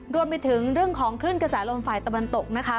รวมไปถึงเรื่องของขึ้นกระสาหร่องฝ่ายตะบันตกนะคะ